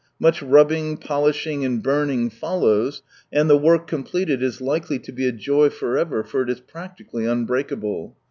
Much rubbing, pohshing and burning follows, and the work completed is likely to be a joy for ever, for it is practically unbreakable.